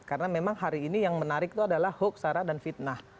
karena memang hari ini yang menarik itu adalah hoax arah dan fitnah